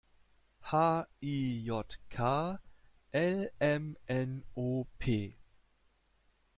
H-I-J-K-L-M-N-O-P!